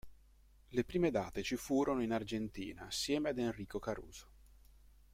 Le prime date ci furono in Argentina assieme ad Enrico Caruso.